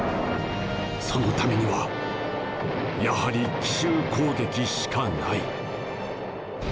そのためにはやはり奇襲攻撃しかない。